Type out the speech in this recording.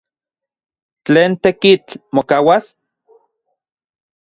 ¿Tlen tekitl mokauas?